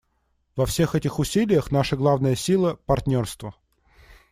Во всех этих усилиях наша главная сила — партнерство.